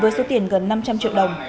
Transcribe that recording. với số tiền gần năm trăm linh triệu đồng